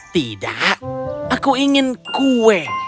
tidak aku ingin kue